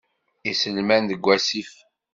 Iselman deg wasif.